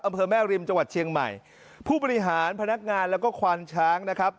อำเภอแม่ริมจังหวัดเชียงใหม่ผู้บริหารพนักงานแล้วก็ควานช้างนะครับ